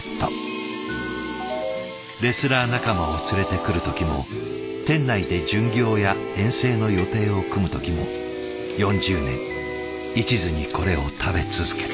レスラー仲間を連れてくる時も店内で巡業や遠征の予定を組む時も４０年いちずにこれを食べ続けた。